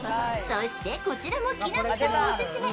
そして、こちらも木南さんオススメ。